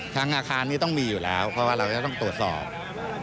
อาคารนี้ต้องมีอยู่แล้วเพราะว่าเราจะต้องตรวจสอบ